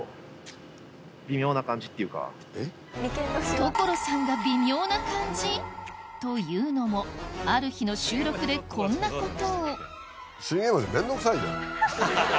所さんが微妙な感じ？というのもある日の収録でこんなことを何だ。